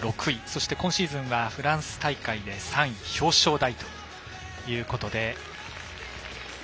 そして今シーズンはフランス大会３位表彰台ということで。